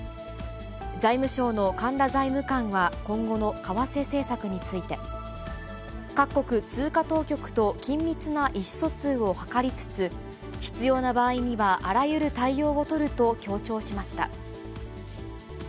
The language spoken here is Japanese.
財務省の神田財務官は今後の為替政策について、各国通貨当局と緊密な意思疎通を図りつつ、必要な場合にはあらゆる対応を取ると強調しました。